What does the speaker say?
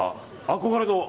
憧れの。